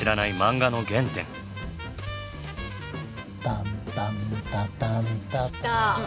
タンタンタタンタタン来た！